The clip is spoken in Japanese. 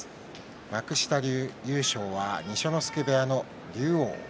幕下優勝は二所ノ関部屋の龍王。